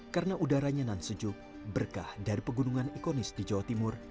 karena udaranya nan sejuk berkah dari pegunungan ikonis di jawa timur